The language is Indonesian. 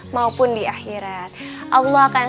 maupun di akhirat allah akan